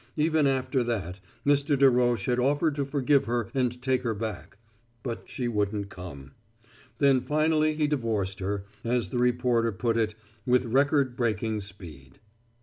Even after that Mr. Darroch had offered to forgive her and take her back. But she wouldn't come. Then finally he divorced her, as the reporter put it, with record breaking speed.